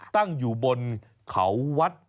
ตั้งอยู่บนเขาวัด